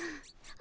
あ。